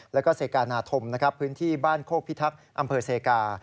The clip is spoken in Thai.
และเซกาหนาธมพื้นที่บ้านโคกพิทักษ์อำเภอเซกา